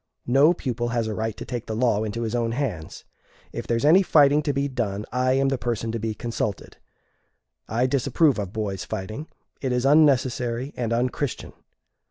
No pupil has a right to take the law into his own hands. If there is any fighting to be done, I am the person to be consulted. I disapprove of boys' fighting; it is unnecessary and unchristian.